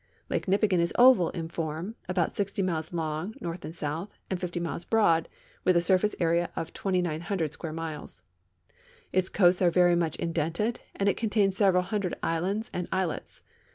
Lake Nipigon is oval in form, about 60 miles long, north and south, and. 50 miles broad, with a surface area of 2,900 square miles. Its coasts are very much indented, and it contains several hundred islands and islets.